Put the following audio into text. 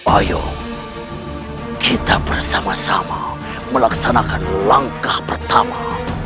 ayo kita bersama sama melaksanakan langkah pertama